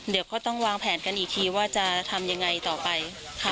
เดี๋ยวก็ต้องวางแผนกันอีกทีว่าจะทำยังไงต่อไปค่ะ